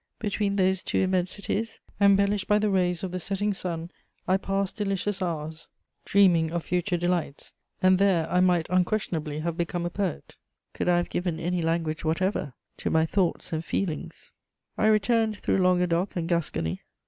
Between those two immensities, embellished by the rays of the setting sun, I passed delicious hours dreaming of future delights; and there I might unquestionably have become a poet, could I have given any language whatever to my thoughts and feelings." [Sidenote: Jean Reboul.] I returned through Languedoc and Gascony.